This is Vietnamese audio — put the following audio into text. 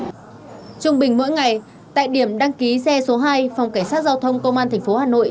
trung bình mỗi ngày tại điểm đăng ký xe số hai phòng cảnh sát giao thông công an tp hà nội